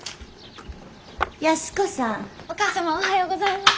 安子さん。お義母様おはようございます。